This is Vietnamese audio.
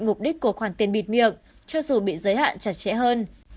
mục đích của khoản tiền bịt miệng cho dù bị giới hạn chặt chẽ hơn